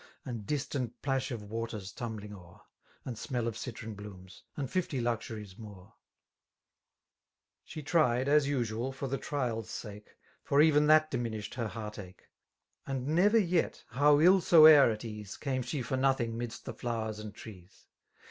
And distant plash of waters tumUing o'er. And smell of citron blooms, and fifty luxuries more* She tried, as usual, for the trial's sake. For even that diminished her heart a^he$ And never yet, how ill soe'er at ease. Came she fbr nothing 'midst the flowers and trees.